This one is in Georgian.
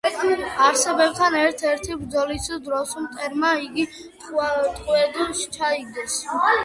არაბებთან ერთ-ერთი ბრძოლის დროს მტრებმა იგი ტყვედ ჩაიგდეს.